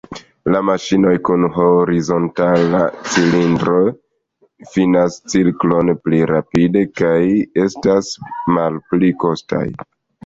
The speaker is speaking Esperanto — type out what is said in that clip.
La maŝinoj kun horizontala cilindro finas ciklon pli rapide kaj estas malpli kostaj.